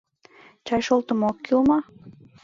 Чай шолтымо ок кӱл мо?